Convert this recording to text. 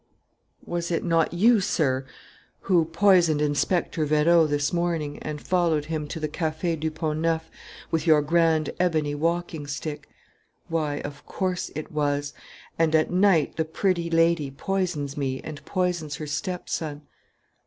Was it not you, sir, who poisoned Inspector Vérot this morning and followed him to the Café du Pont Neuf, with your grand ebony walking stick? Why, of course it was! And at night the pretty lady poisons me and poisons her stepson.